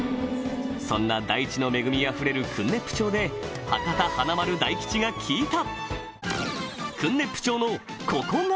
そんな大地の恵みあふれる訓子府町で博多華丸・大吉が聞いた！